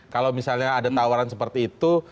kalau misalnya ada tawaran seperti itu